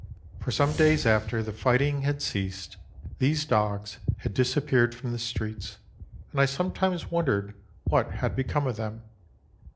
For some days after the fighting had ceased, these dogs had disappeared from the streets, and I sometimes wondered what had become of them.